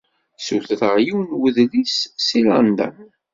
Ssutreɣ yiwen n wedlis seg London.